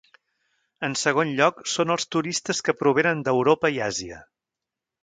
En segon lloc, són els turistes que provenen d'Europa i Àsia.